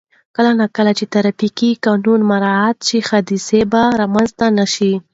کله نا کله چې ترافیک قانون مراعت شي، حادثې به رامنځته نه شي.